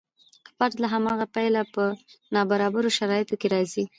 فرد له هماغه پیله په نابرابرو شرایطو کې راځي.